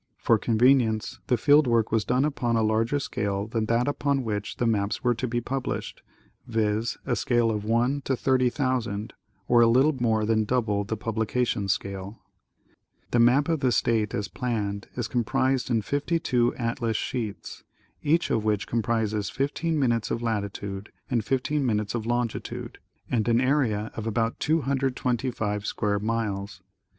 For convenience the field work was done upon a larger scale than that upon which the maps were to be pub lished, viz : a scale of 1 : 30,000, or a little more than double the publication scale. The map of the state as planned is com prised in 52 atlas sheets, each of which comprises 15 minutes of latitude by 15 minutes of longitude and an area of about 225 82 National Geographic Magazine. square miles.